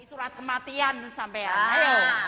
surat kematian sampai